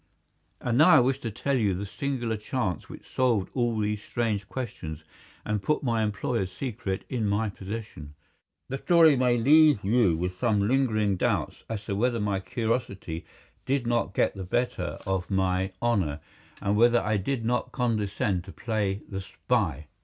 And now I wish to tell you the singular chance which solved all these strange questions and put my employer's secret in my possession. The story may leave you with some lingering doubts as to whether my curiosity did not get the better of my honour, and whether I did not condescend to play the spy.